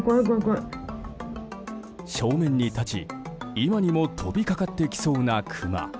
正面に立ち、今にも飛びかかってきそうなクマ。